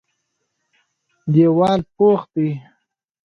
دېوال پخ دی.